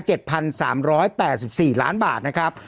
พันสามร้อยแปดสิบสี่ล้านบาทนะครับ